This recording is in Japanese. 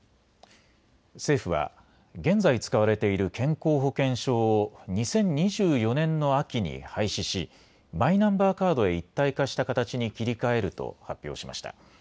政府は現在使われている健康保険証を２０２４年の秋に廃止しマイナンバーカードへ一体化した形に切り替えると発表しました。